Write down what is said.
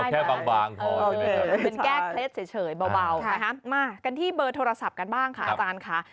แค่บางเป็นแก้เคล็ดเฉยเบานะคะมากันที่เบอร์โทรศัพท์กันบ้างค่ะอาจารย์ค่ะ